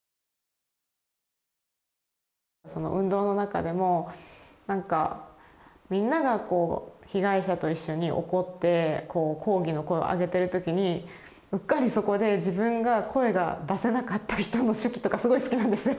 その運動の中でもなんかみんなが被害者と一緒に怒って抗議の声を上げてるときにうっかりそこで自分が声が出せなかった人の手記とかすごい好きなんですよ。